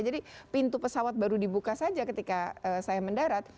jadi pintu pesawat baru dibuka saja ketika saya mendarat